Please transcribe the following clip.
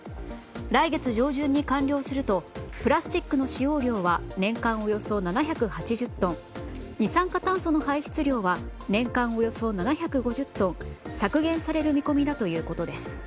来月上旬に完了するとプラスチックの使用量は年間およそ７８０トン二酸化炭素の排出量は年間およそ７５０トン削減される見込みだということです。